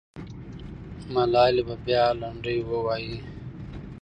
ملالۍ به بیا لنډۍ ووایي.